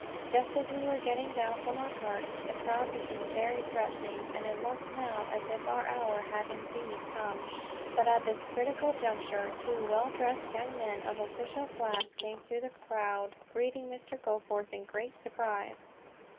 Just as we were getting down from our carts the crowd became very threatening, and it looked now as if our hour had indeed come; but at this critical juncture two well dressed young men of official class came through the crowd, greeting Mr. Goforth in great surprise.